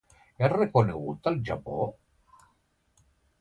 És reconegut al Japó?